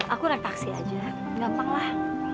aku naik taksi saja gampanglah